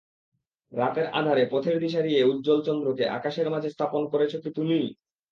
রাতের আঁধারে পথের দিশারী এ উজ্জ্বল চন্দ্রকে আকাশের মাঝে স্থাপন করেছ কি তুমিই?